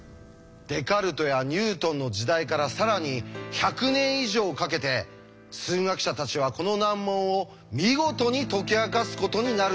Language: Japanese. デカルトやニュートンの時代から更に１００年以上かけて数学者たちはこの難問を見事に解き明かすことになるんです。